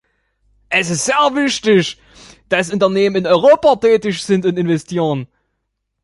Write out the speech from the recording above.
Es ist sehr wichtig, dass Unternehmen in Europa tätig sind und investieren.